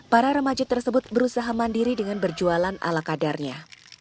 para remaja tersebut berusaha mandiri dengan berjualan ala kadarnya